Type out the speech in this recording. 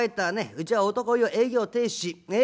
うちは男湯営業停止ねっ。